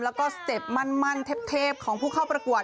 แล้วก็สเต็ปมั่นเทพของผู้เข้าประกวด